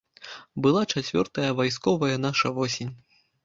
Была чацвёртая вайсковая наша восень.